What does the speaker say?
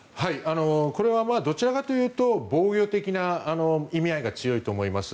これは、どちらかというと防御的な意味合いが強いと思います。